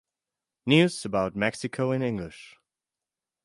News about Mexico in English